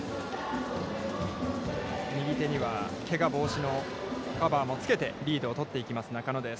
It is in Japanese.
右手には、けが防止のカバーもつけてリードを取っていきます中野です。